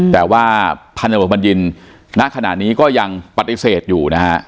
แต่ว่าพันธบทบัญญินณขณะนี้ก็ยังปฏิเสธอยู่นะฮะ